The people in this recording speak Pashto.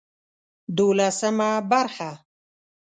دولسمه برخه